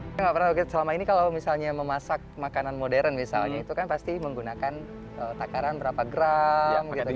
saya tidak pernah begitu selama ini kalau misalnya memasak makanan modern misalnya itu kan pasti menggunakan takaran berapa gram